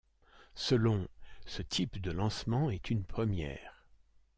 Selon ', ce type de lancement est une première.